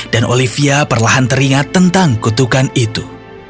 dan olivia perlahan teringat tentang kutukan itu